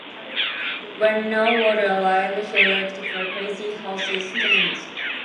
When No Water arrived he looked for Crazy Horse's tent.